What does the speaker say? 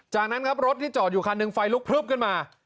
จากนั้นครับรถที่จอดอยู่คันหนึ่งไฟลุกพลึบขึ้นมา